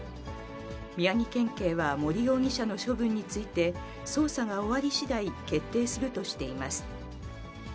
宮城県警は森容疑者の処分について、捜査が終わりしだい、決定するとしています。